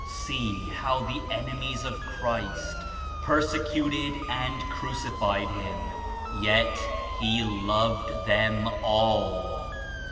'' "See how the enemies of Christ persecuted and crucified Him yet He loved them all.